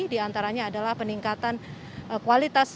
diantaranya adalah peningkatan kualitas